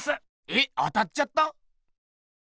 えっ当たっちゃった？